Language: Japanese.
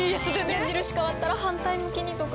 矢印変わったら反対向きにとか。